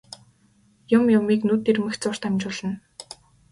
Юм юмыг нүд ирмэх зуурт амжуулна.